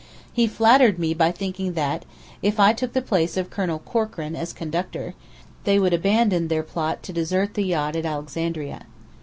He flattered me by thinking that, if I took the place of Colonel Corkran as conductor, they would abandon their plot to desert the yacht at Alexandria.